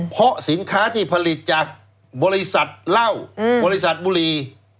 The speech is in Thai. เพราะสินค้าที่ผลิตจากบริษัทเหล้าบริษัทบุรี